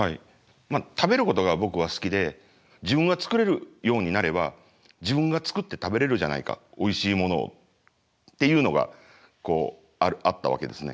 食べることが僕は好きで自分が作れるようになれば自分が作って食べれるじゃないかおいしいものをっていうのがこうあったわけですね。